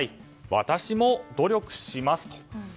私も努力しますと。